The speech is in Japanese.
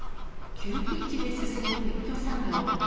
急ピッチで進む撤去作業。